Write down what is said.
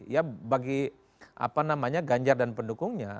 ya bagi apa namanya ganjar dan pendukungnya